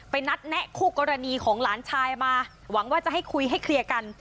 นัดแนะคู่กรณีของหลานชายมาหวังว่าจะให้คุยให้เคลียร์กัน